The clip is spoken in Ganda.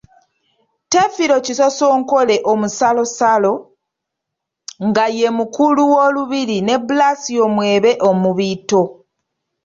Tefiro Kisosonkole Omusalosalo nga ye mukulu w'Olubiri ne Blasio Mwebe Omubiito.